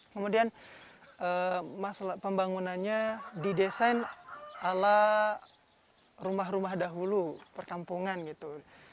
kemudian masalah pembangunannya didesain ala rumah rumah dahulu perkampungan gitu